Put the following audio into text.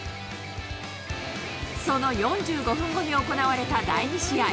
その４５分後に行われた第２試合。